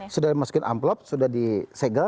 sudah masukin amplop sudah disegel